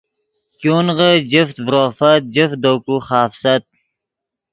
ګونغے جفت ڤروفت جفت دے کو خافست